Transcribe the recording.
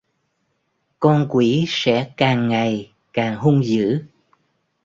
Con quỷ sẽ càng ngày càng hung dữ